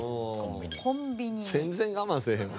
全然我慢せえへん。